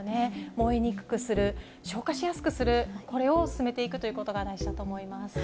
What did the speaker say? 燃えにくくする、消火しやすくする、これを進めていくことが大事だと思います。